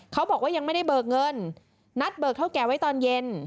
เขาบอกว่ายังไม่ได้เบิกเงินนัดเบิกเท่าแก่ไว้ตอนเย็น